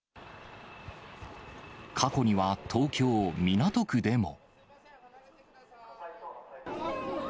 過去には東京・港区でも。